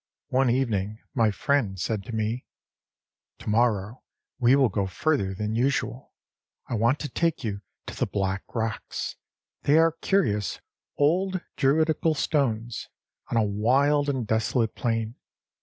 One evening my friend said to me: âTo morrow we will go further than usual. I want to take you to the Black Rocks. They are curious old Druidical stones, on a wild and desolate plain.